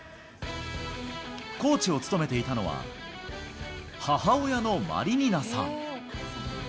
コーチを務めていたのは、母親のマリニナさん。